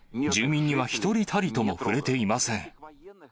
住民には一人たりとも触れていません。